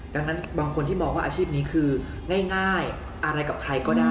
ดังนั้นบางคนที่มองว่าอาชีพนี้คือง่ายอะไรกับใครก็ได้